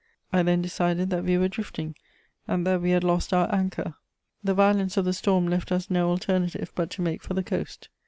I then decided that we were drifting, and that we had lost our anchor. The violence of the storm left us no alternative but to make for the coast.